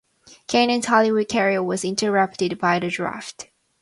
Kanin's Hollywood career was interrupted by the draft.